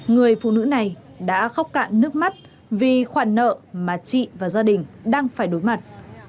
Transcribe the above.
người phụ nữ này đã khóc cạn nước mắt vì khoản nợ mà chị và gia đình đang phải đối mặt